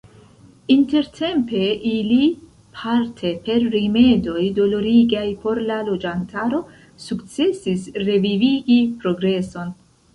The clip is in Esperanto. Intertempe ili – parte per rimedoj dolorigaj por la loĝantaro – sukcesis revivigi progreson.